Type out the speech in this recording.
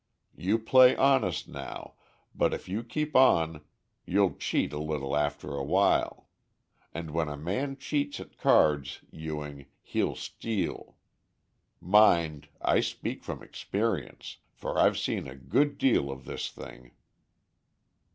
You play honest now, but if you keep on you'll cheat a little after awhile, and when a man cheats at cards, Ewing, he'll steal. Mind, I speak from experience, for I've seen a good deal of this thing.